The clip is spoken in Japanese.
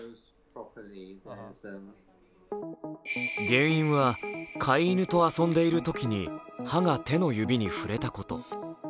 原因は飼い犬と遊んでいるときに歯が手の指に触れたこと。